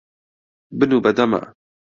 بنوو بە دەما.